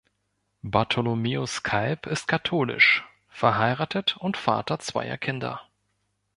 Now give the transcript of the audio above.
Bartholomäus Kalb ist katholisch, verheiratet und Vater zweier Kinder.